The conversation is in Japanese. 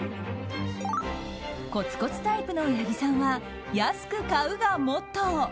コツコツタイプの八木さんは安く買うがモットー。